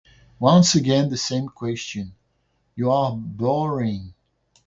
Once again, the same question. You are boring!